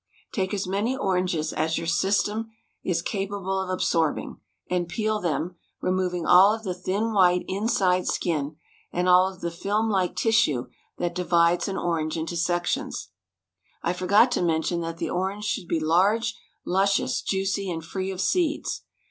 Take as many oranges as your system is capable of absorbing, and peel them, removing all of the thin white inside skin, and all of the film like tissue that divides an orange into sections. I forgot to mention that the orange should be large, luscious, juicy and free of seeds.